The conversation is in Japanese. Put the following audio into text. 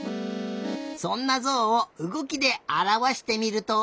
そんなゾウをうごきであらわしてみると。